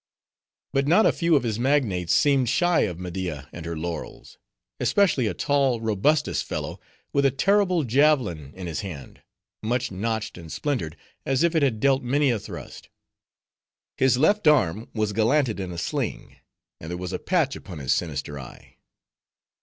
But not a few of his magnates seemed shy of Media and their laurels. Especially a tall robustuous fellow, with a terrible javelin in his hand, much notched and splintered, as if it had dealt many a thrust. His left arm was gallanted in a sling, and there was a patch upon his sinister eye.